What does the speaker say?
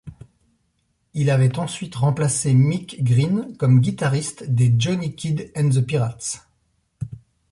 Il avait ensuite remplacé Mick Green comme guitariste des Johnny Kidd and the Pirates.